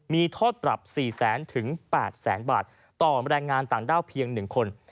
มีโทษปรับ๔๐๐๐๘แสนบาทต่อแรงงานต่างด้าวเพียง๑คน